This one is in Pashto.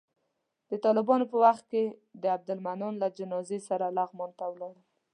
د طالبانو په وخت کې د عبدالمنان له جنازې سره لغمان ته ولاړم.